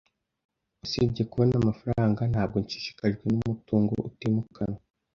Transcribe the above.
Usibye kubona amafaranga, ntabwo nshishikajwe numutungo utimukanwa.